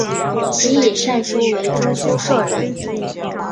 其以善书为中书舍人。